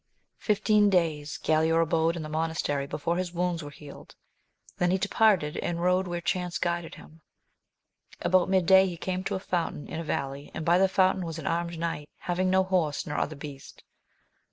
IFTEEN days Galaor abode in the monastery before his wounds were healed ; then he departed, and rode where chance guided Lim. About midday he came to a fountain in a valley, and by the fountain was an armed knight, having no horse, nor other beast.